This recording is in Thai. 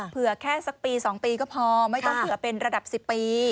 แค่สักปี๒ปีก็พอไม่ต้องเผื่อเป็นระดับ๑๐ปี